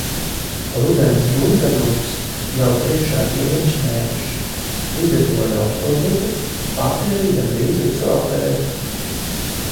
Rudens gurdenums vēl priekšā ilgus mēnešus. Izgatavoju auksto zupu, pati arī gandrīz visu apēdu.